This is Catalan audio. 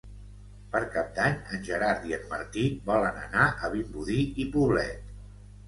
Per Cap d'Any en Gerard i en Martí volen anar a Vimbodí i Poblet.